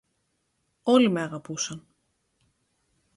Όλοι με αγαπούσαν